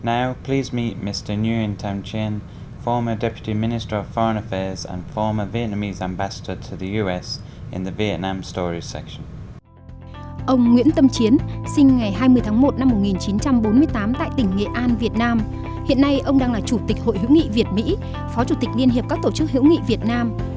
ông nguyễn tâm chiến sinh ngày hai mươi tháng một năm một nghìn chín trăm bốn mươi tám tại tỉnh nghệ an việt nam hiện nay ông đang là chủ tịch hội hữu nghị việt mỹ phó chủ tịch liên hiệp các tổ chức hữu nghị việt nam